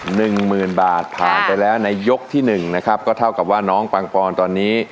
หนึ่งหมื่นบาทผ่านไปแล้วในยกที่หนึ่งนะครับก็เท่ากับว่าน้องปังปอนตอนนี้